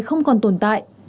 không còn tồn tại